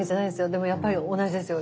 でもやっぱり同じですよ。